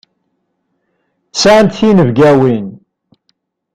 Sɛant tinebgawin.